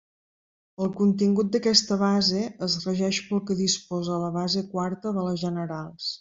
El contingut d'aquesta base es regeix pel que disposa la base quarta de les generals.